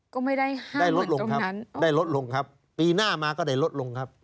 ก็ไม่ได้ห้ามเหมือนตรงนั้นได้ลดลงครับได้ลดลงครับปีหน้ามาก็ได้ลดลงครับ